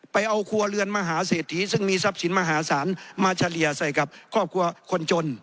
ไปเอาครัวเรือนมหาเศรษฐีซึ่งมีทรัพย์สินมหาศาลมาเฉลี่ยใส่กับครอบครัวคนจน